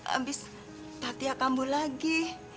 abis natia kambuh lagi